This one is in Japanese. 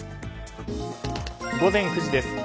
午前９時です。